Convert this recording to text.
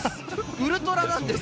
ウルトラなんです。